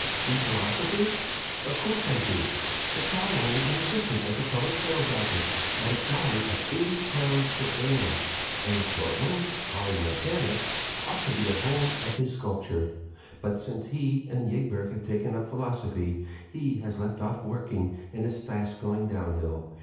"The philosophers? Of course, I do! The tall one is an assistant at the Public Sales Office at a salary of eighty crowns per annum, and the short one, Olle Montanus, ought to be at home at his sculpture but since he and Ygberg have taken up philosophy, he has left off working and is fast going down hill.